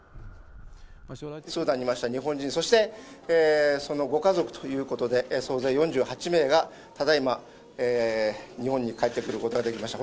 スーダンにいました日本人、そしてそのご家族ということで、総勢４８名がただいま日本に帰ってくることができました。